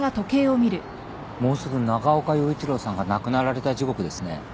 もうすぐ長岡洋一郎さんが亡くなられた時刻ですね。